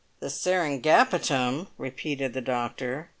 "The Seringapatam?" repeated the doctor.